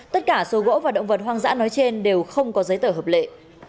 tất cả số gỗ và động vật hoang dã nói trên đều không có giấy tờ hợp lệ